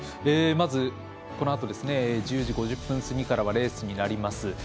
まず、このあと１０時５０分過ぎからはレースになります。